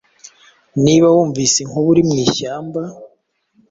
Niba wumvise inkuba uri mu ishyamba,